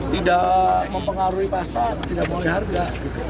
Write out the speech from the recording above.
tidak mempengaruhi pasar tidak mempengaruhi harga